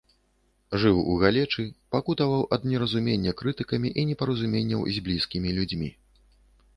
Жыў у галечы, пакутаваў ад неразумення крытыкамі і непаразуменняў з блізкімі людзьмі.